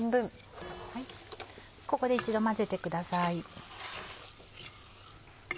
ここで一度混ぜてください。